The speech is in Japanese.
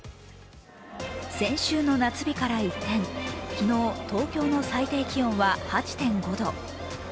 先週の夏日から一転、昨日東京の最低気温は８．５度。